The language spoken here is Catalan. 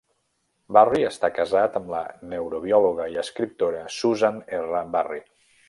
Barry està casa amb la neurobiòloga i escriptora Susan R. Barry.